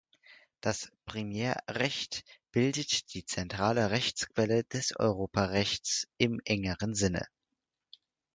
Das Primärrecht bildet die zentrale Rechtsquelle des Europarechts im engeren Sinne.